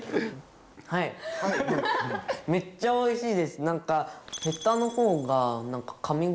はいめっちゃおいしいです。